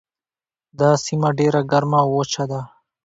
دا سیمه ډیره ګرمه او وچه ده.